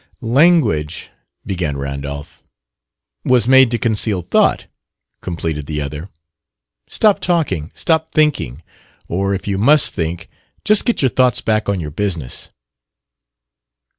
"Language " began Randolph. " was made to conceal thought," completed the other. "Stop talking. Stop thinking. Or, if you must think, just get your thoughts back on your business."